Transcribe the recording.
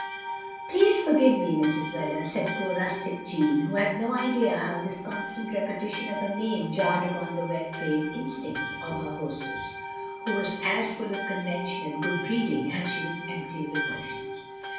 "Please forgive me, Mrs. Wheler," said poor rustic Jeanne, who had no idea how this constant repetition of her name jarred upon the well trained instincts of her hostess, who was as full of con ventional good breeding as she was empty of emotions.